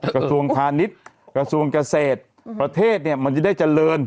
กระทรวงพาณิชย์กระทรวงเกษตรประเทศเนี่ยมันจะได้เจริญ